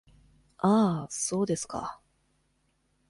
ああ、そうですか…。